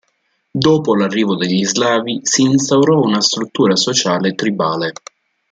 Dopo l'arrivo degli Slavi si instaurò una struttura sociale tribale.